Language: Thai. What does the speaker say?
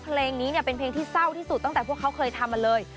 เพลงนี้เนี่ยเป็นเพลงที่เศร้าที่สุดตั้งแต่พวกเขาเคยทำมาเลย